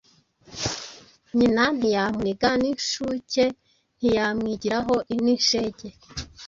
Nyina ntiyamuniga n'inshuke Ntiyamwigiraho n'inshege ,